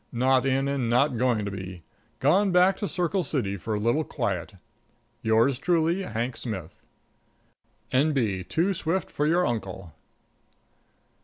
Not in and not going to be. Gone back to Circle City for a little quiet. "Yours truly, "HANK SMITH. "N.B. Too swift for your uncle."